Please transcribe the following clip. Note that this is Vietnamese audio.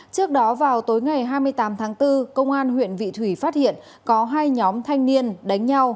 trước đó vào tối ngày hai mươi tám tháng bốn công an huyện vị thủy phát hiện có hai nhóm thanh niên đánh nhau